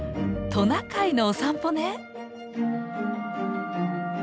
トナカイのお散歩ね！